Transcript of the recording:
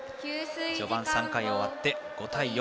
序盤３回終わって５対４。